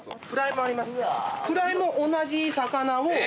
フライも同じ魚を。